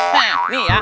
hah nih ya